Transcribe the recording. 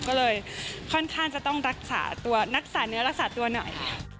ก็เลยค่อนข้างจะต้องรักษาตัวรักษาเนื้อรักษาตัวหน่อย